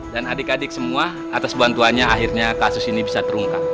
dan adik adik semua atas bantuannya akhirnya kasus ini bisa terungkap